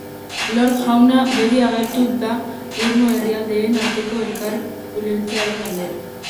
Lord jauna beti agertu da irmo herrialdeen arteko elkar-ulertzearen alde.